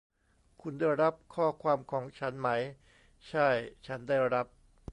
คุณได้รับข้อความของฉันไหม ? ใช่ ฉันได้รับ